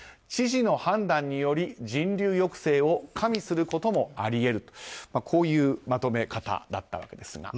知事の判断により人流抑制を加味することもあり得るとこういうまとめ方だったわけです。